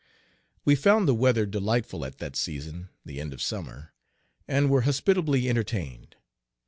We found the weather delightful at that season, the end of summer, and were hospitably entertained.